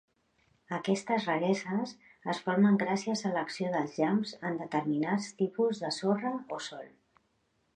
Aquestes rareses es formen gràcies a l'acció dels llamps en determinats tipus de sorra o sòl.